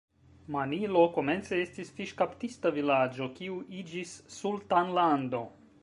Manilo komence estis fiŝkaptista vilaĝo, kiu iĝis sultanlando.